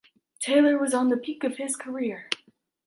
Taylor was on the peek of his career.